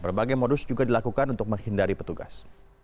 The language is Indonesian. berbagai modus juga dilakukan untuk menghindari petugas